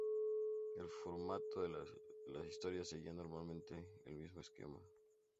El formato de las historias seguía normalmente el mismo esquema.